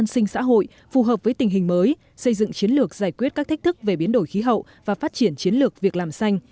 xây dựng chiến lược giải quyết các thách thức về biến đổi khí hậu và phát triển chiến lược việc làm xanh